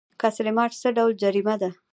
کسر معاش څه ډول جریمه ده؟